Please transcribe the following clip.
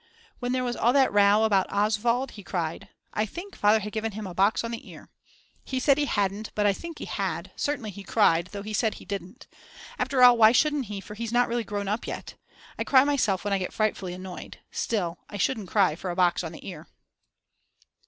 When there was all that row about Oswald he cried, I think Father had given him a box on the ear. He said he hadn't but I think he had; certainly he cried, though he said he didn't. After all, why shouldn't he for he's not really grown up yet. I cry myself when I get frightfully annoyed. Still I shouldn't cry for a box on the ear.